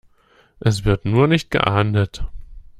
Es wird nur nicht geahndet.